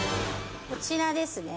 「こちらですね」